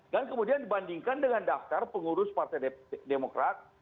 dan kemudian dibandingkan dengan daftar pengurus partai demokrat